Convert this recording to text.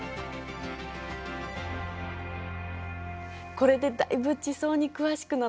これでだいぶ地層に詳しくなった。